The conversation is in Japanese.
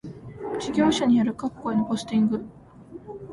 事業者による各戸へのポスティング